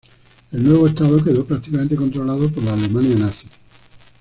El nuevo estado quedó prácticamente controlado por la Alemania nazi.